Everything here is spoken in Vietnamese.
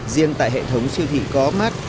riêng tại hệ thống siêu thị có mát